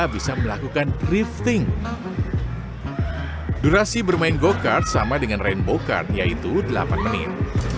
bisa melakukan drifting durasi bermain go kart sama dengan rainbow card yaitu delapan menit